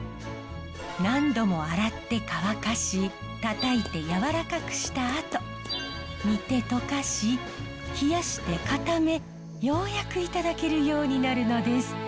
何度も洗って乾かしたたいてやわらかくしたあと煮て溶かし冷やして固めようやくいただけるようになるのです。